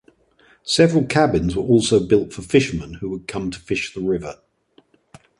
Several cabins were also built for fishermen who would come to fish the river.